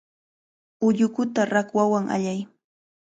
Ullukuta rakwawan allay.